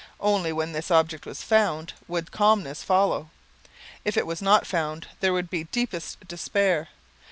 Only when this object was found would calmness follow; if it was not found, there would be deepest despair.